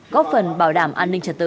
có phần bảo đảm an ninh trật tự